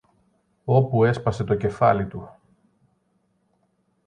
όπου έσπασε το κεφάλι του.